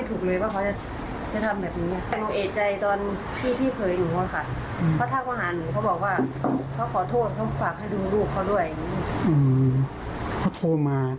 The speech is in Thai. อืมเขาโทรมา